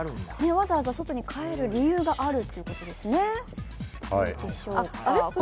わざわざ外に帰る理由があるということですね。